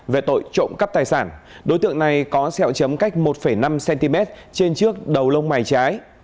về tội trộm cắp tài sản đối tượng này có xeo chấm cách một năm cm trên trước đầu lông mày trái